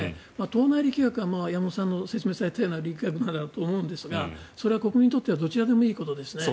党内力学は山本さんが説明されたような力学だと思うんですがそれは国民にとってはどちらでもいいことですね。